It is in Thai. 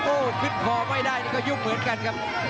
โอ๊คขึ้นพอไม่ได้ตรงป่าอยู่เหมือนกันครับ